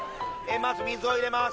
まず水を入れます